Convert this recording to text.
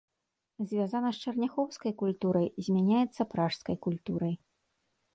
Звязана з чарняхоўскай культурай, змяняецца пражскай культурай.